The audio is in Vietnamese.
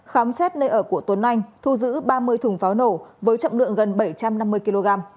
khám xét nơi ở của tuấn anh thu giữ ba mươi thùng pháo nổ với trọng lượng gần bảy trăm năm mươi kg